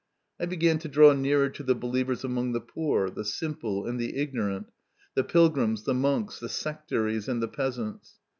I began to draw nearer to the believers among the poor, the simple, and the ignorant, the pilgrims, the monks, the sectaries, and the peasants.